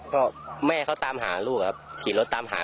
ก็แม่เขาตามหาลูกครับขี่รถตามหา